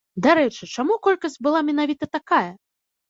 Дарэчы, чаму колькасць была менавіта такая?